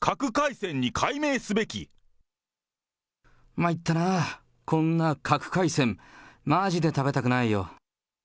まいったなー、こんな核海鮮、まじで食べたくないよ。